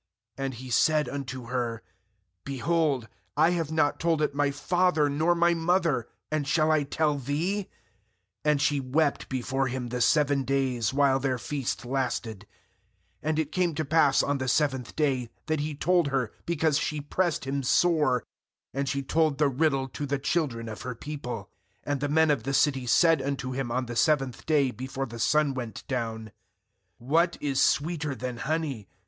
And he said unto her: 'Behold, I have not told it my father nor my mother, and shall I tell thee?' 17And she wept be fore him the seven days, while their feast lasted; and it came to pass on the seventh day, that he told her, be cause she pressed him sore; and she told the riddle to the children of her >le. 18And the men of the city unto him on the seventh day t>efore the sun went down: What is sweeter than honey?